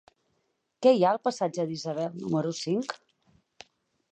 Què hi ha al passatge d'Isabel número cinc?